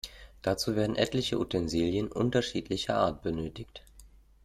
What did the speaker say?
Dazu werden etliche Utensilien unterschiedlicher Art benötigt.